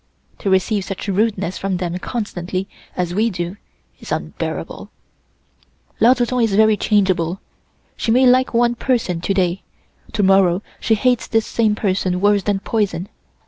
To receive such rudeness from them, constantly, as we do, is unbearable. "Lao Tsu Tsung is very changeable. She may like one person to day, to morrow she hates this same person worse than poison.